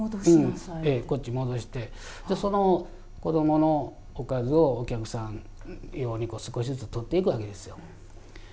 こっちへ戻してその子供のおかずをお客さん用に少しずつ取っていくわけですよ。